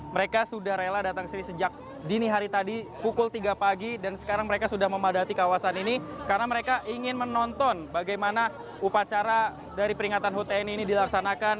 mereka sudah rela datang ke sini sejak dini hari tadi pukul tiga pagi dan sekarang mereka sudah memadati kawasan ini karena mereka ingin menonton bagaimana upacara dari peringatan hut tni ini dilaksanakan